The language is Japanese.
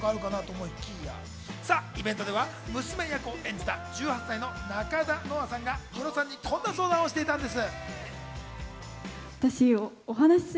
イベントでは娘役を演じた１８歳の中田乃愛さんがムロさんにこんな相談をしていたんです。